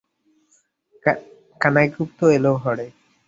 কানাইগুপ্ত এল ঘরে।